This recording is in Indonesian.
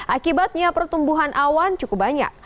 akibatnya pertumbuhan awan cukup banyak